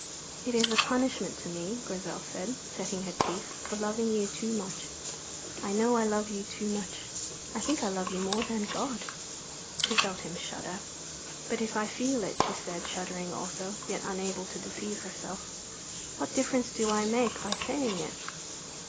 "It is a punishment to me," Grizel said, setting her teeth, "for loving you too much. I know I love you too much. I think I love you more than God." She felt him shudder. "But if I feel it," she said, shuddering also, yet unable to deceive herself, "what difference do I make by saying it?